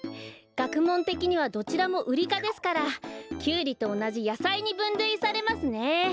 がくもんてきにはどちらもウリかですからキュウリとおなじやさいにぶんるいされますね。